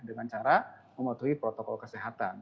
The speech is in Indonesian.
dengan cara mematuhi protokol kesehatan